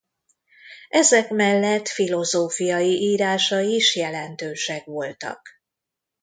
Ezek mellett filozófiai írásai is jelentősek voltak.